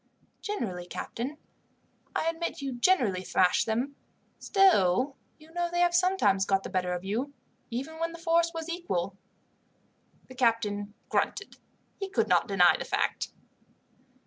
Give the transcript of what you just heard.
"Generally, captain. I admit you generally thrash them. Still, you know they have sometimes got the better of you, even when the force was equal." The captain grunted. He could not deny the fact.